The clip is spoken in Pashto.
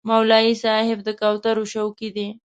مولوي صاحب د کوترو شوقي دی.